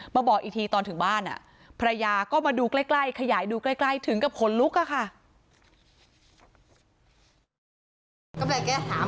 บอกอีกทีตอนถึงบ้านภรรยาก็มาดูใกล้ขยายดูใกล้ถึงกับขนลุกอะค่ะ